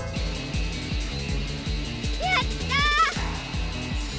やった！